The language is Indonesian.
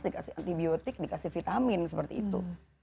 dikasih antibiotik dikasih vitamin seperti itu